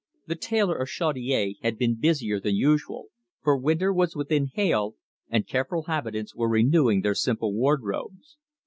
The tailor of Chaudiere had been busier than usual, for winter was within hail, and careful habitants were renewing their simple wardrobes.